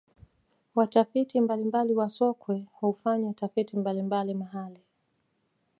watafiti mbalimbali wa sokwe hufanya tafiti mbalimbali mahale